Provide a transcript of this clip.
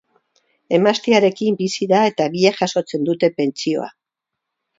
Emaztearekin bizi da eta biek jasotzen dute pentsioa.